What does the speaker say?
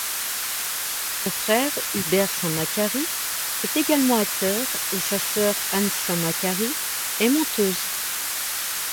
Son frère, Hubert Saint-Macary, est également acteur et sa sœur Anne Saint-Macary est monteuse.